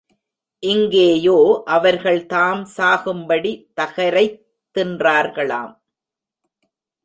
இங்கேயோ அவர்கள் தாம் சாகும்படி தகரைத் தின்றார்களாம்.